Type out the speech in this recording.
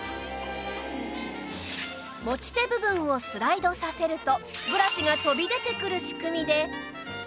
持ち手部分をスライドさせるとブラシが飛び出てくる仕組みで